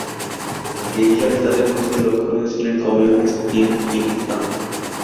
Guerrilla নেতাদের মধ্যে লক্ষণীয় ছিলেন কমিউনিস্ট কিম ইল-সাং।